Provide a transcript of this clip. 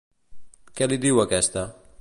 Què li diu aquesta?